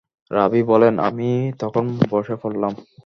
রাবী বলেন, আমি তখন বসে পড়লাম।